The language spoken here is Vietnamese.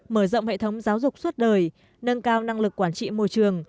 mở rộng hệ thống giáo dục suốt đời nâng cao năng lực quản trị môi trường